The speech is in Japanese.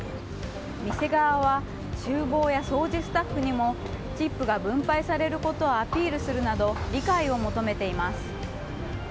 店側は厨房や掃除スタッフにもチップが分配されることをアピールするなど理解を求めています。